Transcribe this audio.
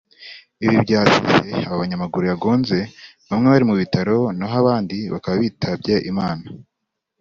Ibi byasize abo banyamaguru yagonze bamwe bari mu bitaro naho abandi bakaba bitabye Imana